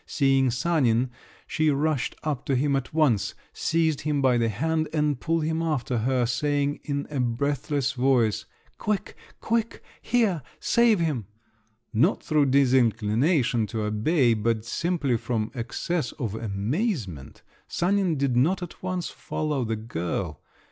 Seeing Sanin, she rushed up to him at once, seized him by the hand, and pulled him after her, saying in a breathless voice, "Quick, quick, here, save him!" Not through disinclination to obey, but simply from excess of amazement, Sanin did not at once follow the girl.